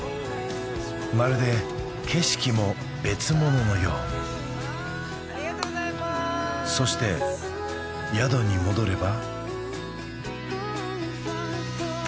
まるで景色も別物のようありがとうございまーすそして宿に戻れば？